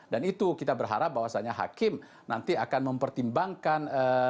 dan itu kita berharap bahwasannya hakim nanti akan mempertimbangkan